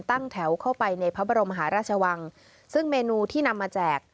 ตั้งแถวเข้าไปในพระบรมหาราชวังซึ่งเมนูที่นำมาแจก